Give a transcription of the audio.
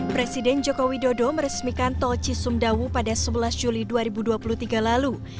presiden joko widodo meresmikan tol cisumdawu pada sebelas juli dua ribu dua puluh tiga lalu